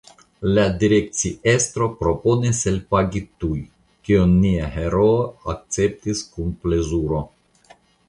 La direkciestro proponis elpagi tuj, kion nia heroo akceptis kun plezuro.